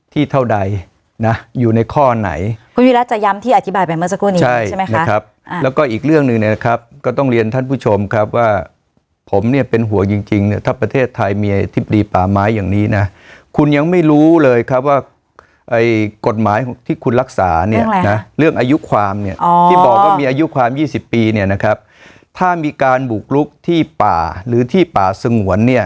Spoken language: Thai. ที่อธิบายไปเมื่อสักครู่นี้ใช่ไหมครับแล้วก็อีกเรื่องหนึ่งนะครับก็ต้องเรียนท่านผู้ชมครับว่าผมเนี่ยเป็นห่วงจริงถ้าประเทศไทยมีอธิบดีป่าไม้อย่างนี้นะคุณยังไม่รู้เลยครับว่ากฎหมายที่คุณรักษาเนี่ยเรื่องอายุความเนี่ยที่บอกว่ามีอายุความ๒๐ปีเนี่ยนะครับถ้ามีการบุกลุกที่ป่าหรือที่ป่าสงวน